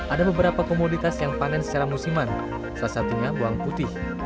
ada beberapa komoditas yang panen secara musiman salah satunya bawang putih